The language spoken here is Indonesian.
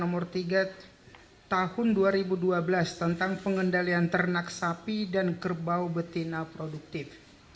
dan nomor tiga tahun dua ribu dua belas tentang pengendalian ternak sapi dan kerbau betina produktif